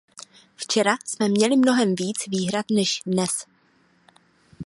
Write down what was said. Včera jsme měli mnohem víc výhrad než dnes.